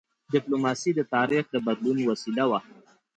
ډيپلوماسي د تاریخ د بدلون وسیله وه.